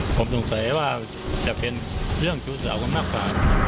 ผมสงสัยว่าจะเป็นเรื่องคิวสาวคำนับค่ะ